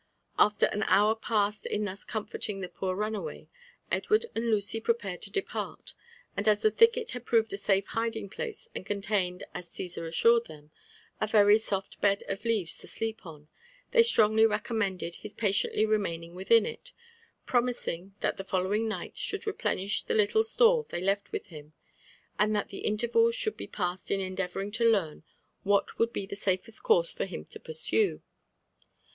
After an hour passed in thus comforting the poor runaway, Edward and Luey prepared to depart ; and as the thicket had proved a safe biding*place, and contained, as G«esar assured them, a very soft bed of leaves to sleep on, they strongly recommended his patiently re maining within it, promising that the following night should replenish the little store they left with him, and that the interval should be passed in endeavouring to learn what would be the safest course for him to pursue.